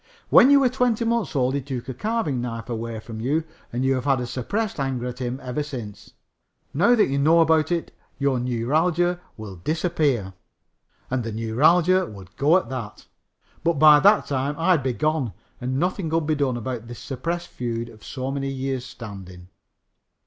When you were twenty months old he took a Carving knife away from you and you have had a suppressed anger at him ever since. Now that you know about it your neuralgia will disappear." And the neuralgia would go at that. But by that time I'd be gone and nothing could be done about this suppressed feud of so many years' standing.